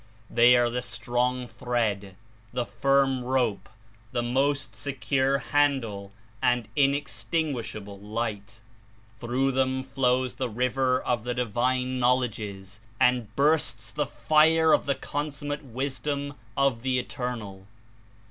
They are the strong thread, the firm rope, the most secure handle and inextinguishable light. Through them flows the river of the Divine Knowledges and bursts the fire of the consummate Wisdom of the Eternal.